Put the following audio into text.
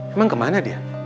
emang kemana dia